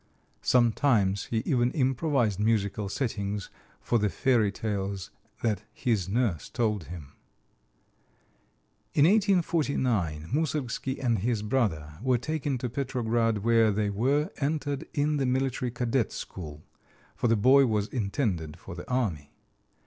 Sometimes he even improvised musical settings for the fairy tales that his nurse told him. In 1849 Moussorgsky and his brother were taken to Petrograd, where they were entered in the military cadet school, for the boy was intended for the army.